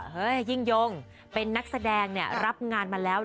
ยิ่งยงเป็นนักแสดงเนี่ยรับงานมาแล้ว